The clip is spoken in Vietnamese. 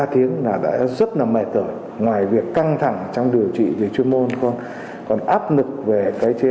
ba tiếng là đã rất là mệt thởi ngoài việc căng thẳng trong điều trị về chuyên môn còn áp lực về cái chế